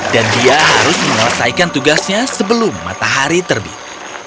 dan dia harus mengerjakan tugasnya sebelum matahari terbit